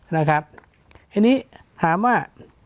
นะครับทีนี้ถามว่า